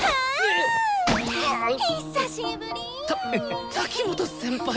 たっ滝本先輩！